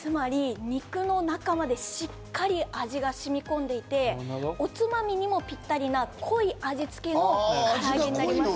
つまり肉の中までしっかり味が染み込んでいて、おつまみにもぴったりな濃い味つけの唐揚げになります。